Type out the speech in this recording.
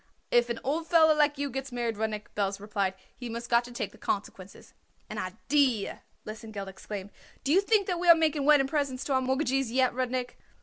"If an old feller like you gets married, Rudnik," Belz replied, "he must got to take the consequences." "An idee!" Lesengeld exclaimed. "Do you think that we are making wedding presents to our mortgagees yet, Rudnik?"